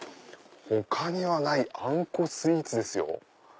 他にはないあんこスイーツですよ。